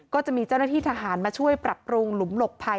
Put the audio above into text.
ก็จะมีเจ้าหน้าที่ทหารมาช่วยปรับปรุงหลุมหลบภัย